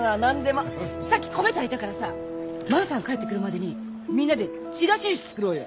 さっき米炊いたからさ万さん帰ってくるまでにみんなでちらし寿司作ろうよ！